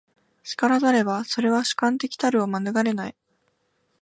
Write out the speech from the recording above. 然らざれば、それは主観的たるを免れない。